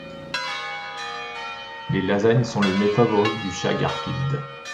Les lasagnes sont le mets favori du chat Garfield.